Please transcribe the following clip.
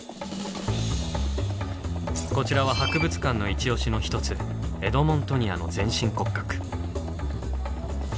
こちらは博物館のイチ推しの一つエドモントニアの全身骨格。